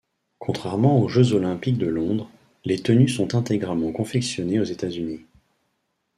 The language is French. Contrairement aux Jeux olympiques de Londres, les tenues sont intégralement confectionnées aux États-Unis.